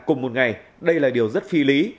cùng một ngày đây là điều rất phi lý